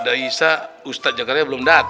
mak ini serius banget ngomongin masalah negara ya